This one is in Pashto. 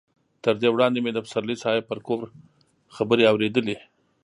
تر دې وړاندې مې د پسرلي صاحب پر کور خبرې اورېدلې.